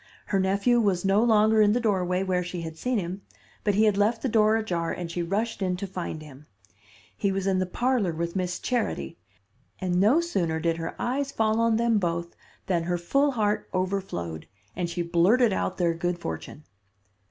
Her nephew was no longer in the doorway where she had seen him, but he had left the door ajar and she rushed in to find him. He was in the parlor with Miss Charity, and no sooner did her eyes fall on them both than her full heart overflowed, and she blurted out their good fortune.